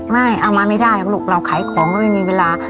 ไม่เอามาไม่ได้หรอกลูกเราขายของก็ไม่มีเวลา